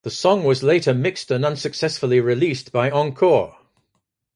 The song was later mixed and unsuccessfully released by Encore!